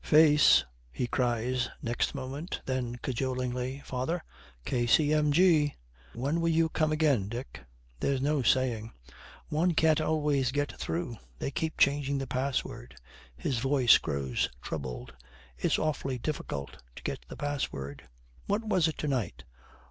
'Face!' he cries, next moment. Then cajolingly, 'Father, K.C.M.G.!' 'When will you come again, Dick?' 'There's no saying. One can't always get through. They keep changing the password.' His voice grows troubled. 'It's awfully difficult to get the password.' 'What was it to night?'